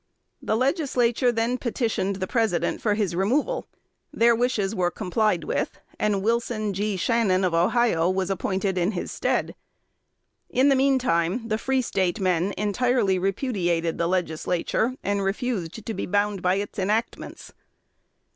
The Legislature then petitioned the President for his removal. Their wishes were complied with; and Wilson G. Shannon of Ohio was appointed in his stead. In the mean time, the Free State men entirely repudiated the Legislature, and refused to be bound by its enactments.